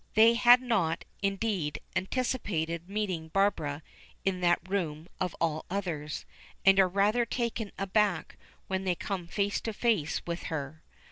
They had not, indeed, anticipated meeting Barbara in that room of all others, and are rather taken aback when they come face to face with her.